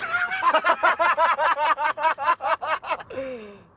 ハハハハ！